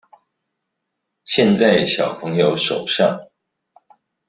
現在小朋友手上